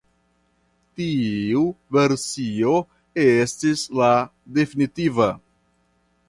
Tiu versio estis la definitiva.